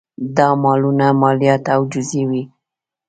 دا مالونه مالیات او جزیې وې